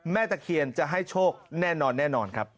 ตะเคียนจะให้โชคแน่นอนแน่นอนครับ